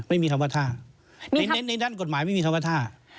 ไม่มีคำว่าท่าในด้านกฎหมายไม่มีคำว่าท่า